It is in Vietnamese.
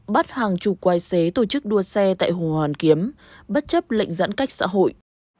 bắt hàng chục quái xế tổ chức đua xe tại hồ hoàn kiếm bất chấp lệnh giãn cách xã hội